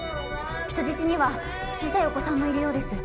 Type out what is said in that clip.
人質には小さいお子さんもいるようです